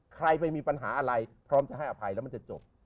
ใครไปมีปัญหาอะไรพร้อมจะให้อภัยแล้วมันจะจบ